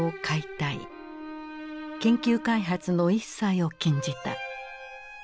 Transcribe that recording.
研究開発の一切を禁じた。